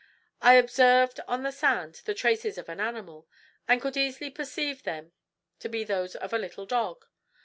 I observed on the sand the traces of an animal, and could easily perceive them to be those of a little dog.